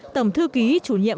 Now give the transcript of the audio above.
tổng thư ký chủ nhiệm